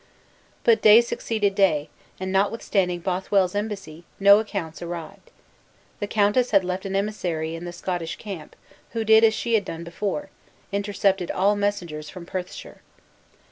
But day succeeded day, and notwithstanding Bothweil's embassy, no accounts arrived. The countess had left an emissary in the Scottish camp, who did as she had done before intercepted all messengers from Perthshire.